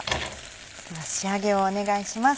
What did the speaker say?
では仕上げをお願いします。